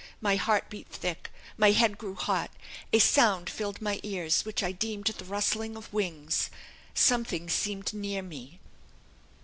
My heart beat thick, my head grew hot; a sound filled my ears which I deemed the rustling of wings; something seemed near me."